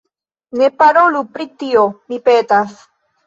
Ne parolu pri tio, mi petas.